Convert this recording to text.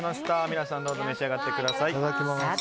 皆さんどうぞ召し上がってください。